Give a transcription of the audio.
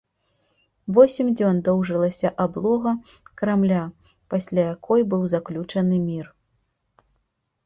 Восем дзён доўжылася аблога крамля, пасля якой быў заключаны мір.